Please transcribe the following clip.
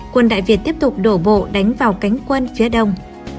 quân đại việt tiếp tục đổ bộ đánh vào cánh quân phía đông